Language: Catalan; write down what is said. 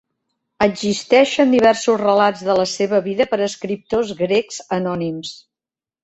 Existeixen diversos relats de la seva vida per escriptors grecs anònims.